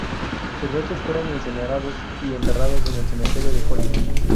Sus restos fueron incinerados y enterrados en el Cementerio de Hollywood.